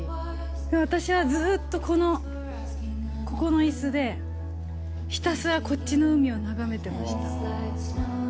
私はずっとこの、ここのいすで、ひたすらこっちの海を眺めてました。